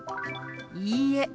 「いいえ」。